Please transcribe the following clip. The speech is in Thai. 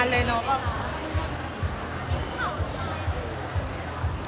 คือบรรยากาศทุกอย่างที่เกิดขึ้น